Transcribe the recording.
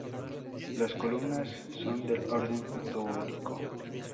Las columnas son del orden dórico.